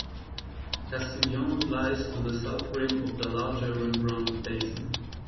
Castiglione lies on the south rim of the larger Rembrandt basin.